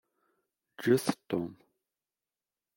Ǧǧet Tom.